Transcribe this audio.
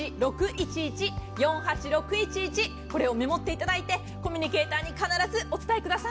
これをメモっていただいてコミュニケーターに必ずお伝えください。